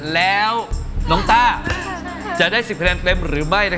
แล้วต้าจะได้๑๐เฟรนเต็มหรือไม่